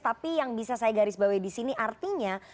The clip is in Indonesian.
tapi yang bisa saya garis bawah disini artinya